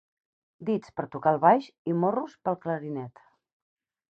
Dits per a tocar el baix i morros per al clarinet.